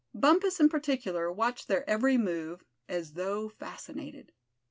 Bumpus in particular watched their every move as though fascinated.